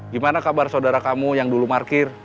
gimana kabar saudara kamu yang dulu markir